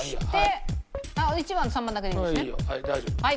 はい。